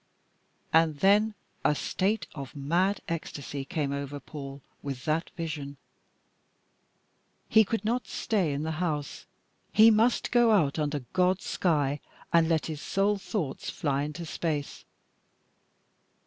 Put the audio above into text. And then a state of mad ecstasy came over Paul with that vision; he could not stay in the house; he must go out under God's sky, and let his soul thoughts fly into space.